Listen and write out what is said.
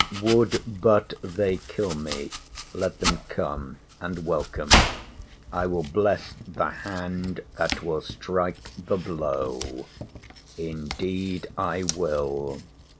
Would but they kill me, let them come, and welcome, I will bless the hand that will strike the blow! Indeed I will.